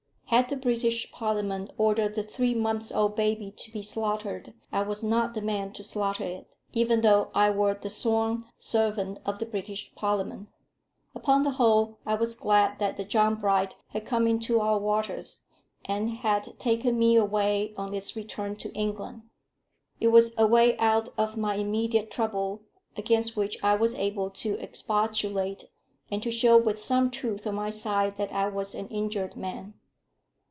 Had the British Parliament ordered the three months old baby to be slaughtered, I was not the man to slaughter it, even though I were the sworn servant of the British Parliament. Upon the whole, I was glad that the John Bright had come into our waters, and had taken me away on its return to England. It was a way out of my immediate trouble against which I was able to expostulate, and to show with some truth on my side that I was an injured man.